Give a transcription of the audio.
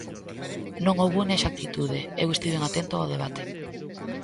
Non houbo inexactitude, eu estiven atento ao debate.